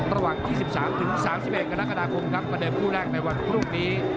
ระหว่าง๒๓ถึง๓๑กรกฎากรมครับมาเดินผู้แรกในวันพรุ่งนี้